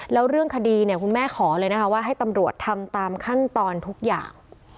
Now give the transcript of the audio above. แล้วเรื่องคดีเนี่ยคุณแม่ขอเลยนะคะว่าให้ตำรวจทำตามขั้นตอนทุกอย่าง